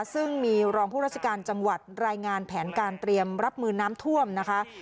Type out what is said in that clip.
ซึ่งมีรองผู้ราชการจังหวัดรายงานแผนการเตรียมรับมือน้ำท่วมนะคะ